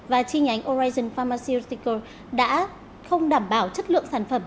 và chi nhánh horizon pharmaceuticals đã không đảm bảo chất lượng sản phẩm